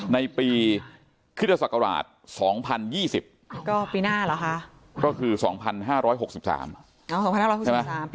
ในปีคศ๒๐๒๐ก็ปีหน้าหรอค่ะ